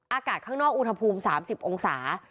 อากาศข้างนอกอุณหภูมิ๓๐องศา